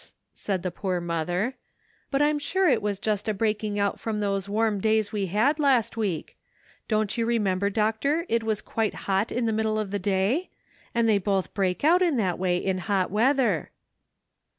said the poor mother, "but I'm sure it was just a breaking out from those warm days we had last week ; don't you remember, Doctor, it was quite hot in the middle of the A TRYING POSITION. 141 day? and they both break out in that way in hot weather."